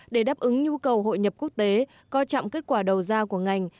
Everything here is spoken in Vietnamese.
để đáp ứng nhu cầu hội nhập quốc tế coi trọng kết quả đầu ra của ngành